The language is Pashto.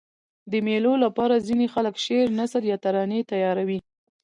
د مېلو له پاره ځيني خلک شعر، نثر یا ترانې تیاروي.